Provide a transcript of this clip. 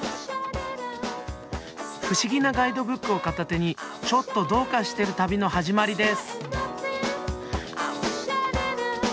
不思議なガイドブックを片手にちょっとどうかしてる旅の始まりです。